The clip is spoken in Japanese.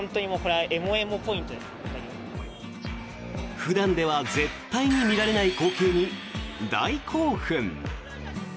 普段では絶対に見られない光景に大興奮。